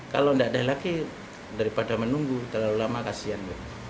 kalau tidak ada lagi daripada menunggu terlalu lama kasihan